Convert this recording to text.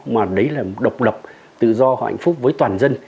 mà đấy là độc lập tự do hạnh phúc với toàn dân